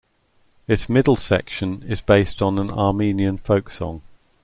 Its middle section is based on an Armenian folk song.